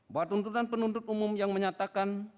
buat untungan penuntut umum yang menyatakan